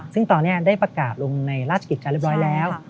ซึ่งตอนนี้ได้ประกาศลงในราชกิจการเรียบร้อยแล้ว